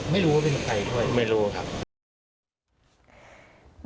ไม่รู้ครับ